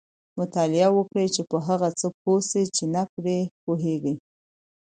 مطالعه وکړئ! چي په هغه څه پوه سئ، چي نه پرې پوهېږئ.